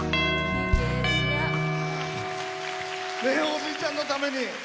おじいちゃんのために。